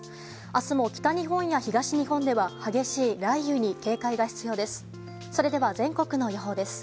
明日も北日本や東日本では激しい雷雨に警戒が必要です。